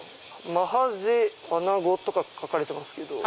マハゼアナゴとか書かれてますけど。